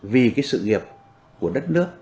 vì sự nghiệp của đất nước